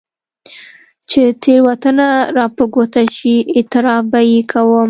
چې تېروتنه راپه ګوته شي، اعتراف به يې کوم.